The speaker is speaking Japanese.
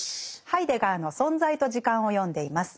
ハイデガーの「存在と時間」を読んでいます。